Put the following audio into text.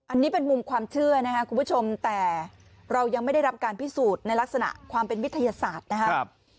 อันนี้เป็นมุมความเชื่อนะครับคุณผู้ชมแต่เรายังไม่ได้รับการพิสูจน์ในลักษณะความเป็นวิทยาศาสตร์นะครับ